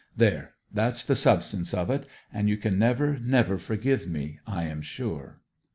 There that's the substance of it, and you can never, never forgive me, I am sure!'